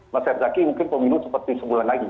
mas herzaki mungkin pemilu seperti sebulan lagi